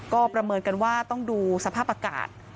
ก็ประเมินกันว่าต้องดูสภาพอากาศ